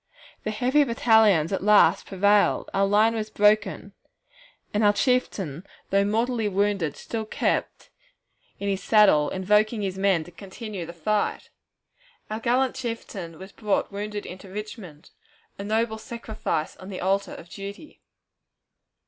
The "heavy battalions" at last prevailed, our line was broken, and our chieftain, though mortally wounded, still kept in his saddle, invoking his men to continue the fight. Our gallant chieftain was brought wounded into Richmond, a noble sacrifice on the altar of duty.